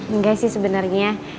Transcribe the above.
engga sih sebenernya